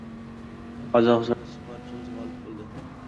Qozog‘istonda sportchimiz g‘olib bo‘ldi